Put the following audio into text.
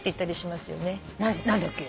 何だっけ？